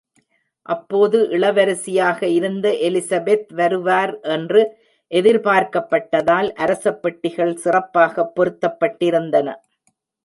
அப்போது இளவரசியாக இருந்த எலிசபெத் வருவார் என்று எதிர்பார்க்கப்பட்டதால், 'அரசப் பெட்டிகள்' சிறப்பாகப் பொருத்தப்பட்டிருந்தன.